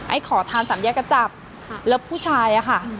ขอทานสามแยกกระจับแล้วผู้ชายอะค่ะ